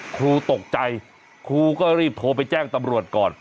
ครูตกใจครูก็รีบโทรไปแจ้งตำรวจก่อน